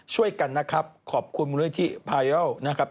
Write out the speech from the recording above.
ช่วยกันนะครับขอบคุณบุญวิทยาลัยภายโยนนะครับ